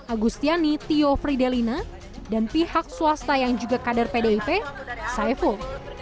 agustiani tio fridelina dan pihak swasta yang juga kader pdip saiful